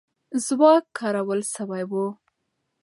ځواک کارول سوی وو.